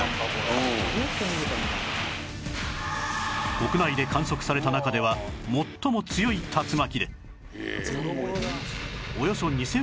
国内で観測された中では最も強い竜巻で